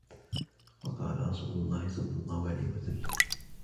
وَقَالَ رَسُولُ اللَّهِ صَلَّى اللَّهُ عَلَيْهِ وَسَلَّمَ